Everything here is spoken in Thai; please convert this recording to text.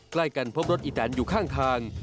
ใกล้กันพบรถอีแตนอยู่ข้างทาง